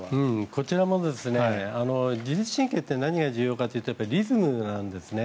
こちらも自律神経って何が重要かというとリズムなんですね。